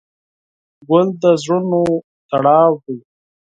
ګل د زړونو تړاو دی.